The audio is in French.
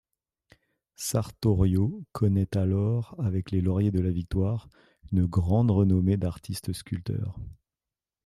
Sartorio connaît alors avec les lauriers de la Victoire une grande renommée d'artiste sculpteur.